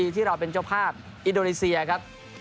ที่เราเป็นเจ้าภาพอินโดนีเซียครับ